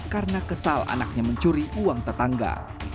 karena kesal anaknya mencuri uang tetangga